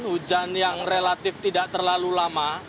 hujan yang relatif tidak terlalu lama